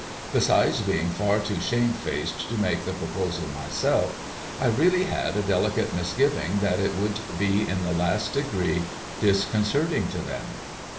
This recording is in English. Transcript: Besides being far too shamefaced to make the pro posal myself, I really had a delicate misgiving that it would be in the last degree disconcerting to them.